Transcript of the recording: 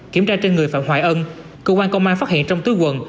kiểm tra trên người phạm hoài ân cơ quan công an phát hiện trong tứ quần